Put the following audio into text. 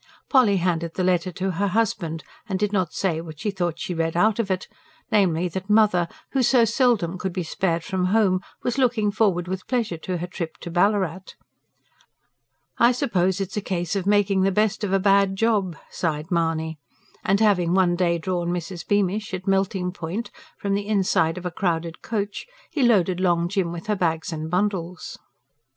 Polly handed the letter to her husband, and did not say what she thought she read out of it, namely that "mother," who so seldom could be spared from home, was looking forward with pleasure to her trip to Ballarat. "I suppose it's a case of making the best of a bad job," sighed Mahony; and having one day drawn Mrs. Beamish, at melting point, from the inside of a crowded coach, he loaded Long Jim with her bags and bundles.